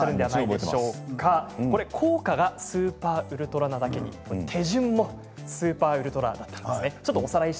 効果がスーパーウルトラなだけに手順もスーパーウルトラだったんですね。